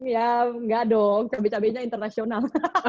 ya enggak dong cabe cabenya internasional